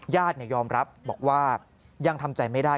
ญาติยอมรับบอกว่ายังทำใจไม่ได้